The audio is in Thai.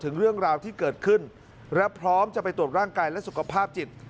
ถึงเรื่องราวที่เกิดขึ้นและพร้อมจะไปตรวจร่างกายและสุขภาพจิต